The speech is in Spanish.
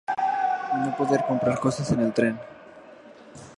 Y no poder comprar cosas en el tren.